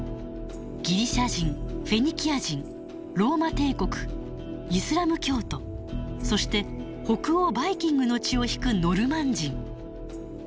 ギリシャ人フェニキア人ローマ帝国イスラム教徒そして北欧バイキングの血を引くノルマン人。